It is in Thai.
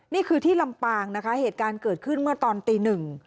นี่คือที่ลำปางนะคะเหตุการณ์เกิดขึ้นเมื่อตอนตีหนึ่ง